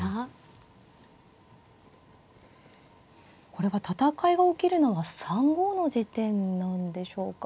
これは戦いが起きるのは３五の地点なんでしょうか。